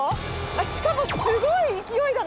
しかもすごい勢いだな。